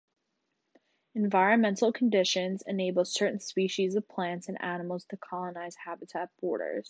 Environmental conditions enable certain species of plants and animals to colonize habitat borders.